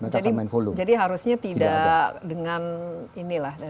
jadi harusnya tidak dengan ini lah